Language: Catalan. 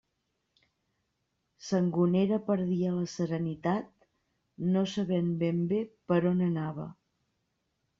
Sangonera perdia la serenitat, no sabent ben bé per on anava.